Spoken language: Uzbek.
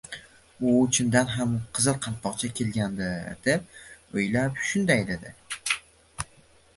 U chindan ham Qizil Qalpoqcha kelgandir deb oʻylab, shunday debdi:—